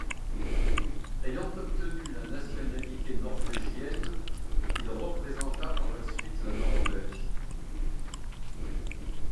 Ayant obtenu la nationalité norvégienne, il représenta par la suite la Norvège.